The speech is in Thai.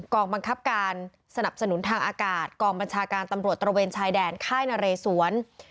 องบังคับการสนับสนุนทางอากาศกองบัญชาการตำรวจตระเวนชายแดนค่ายนเรสวน